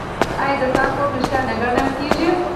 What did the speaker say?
آیا د سهار خوب ریښتیا نه ګڼل کیږي؟